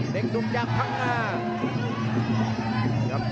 เด็กนุ่มย่ำข้างหน้า